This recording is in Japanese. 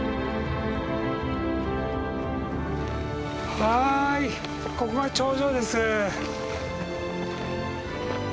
はいここが頂上です。